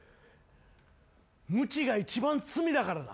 無知が一番罪だからな。